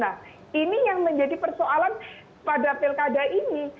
nah ini yang menjadi persoalan pada pilkada ini